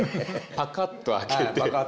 パカッと開けて。